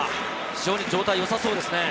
非常に状態がよさそうですね。